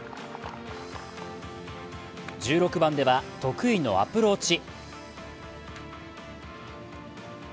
１６番では得意のアプローチ。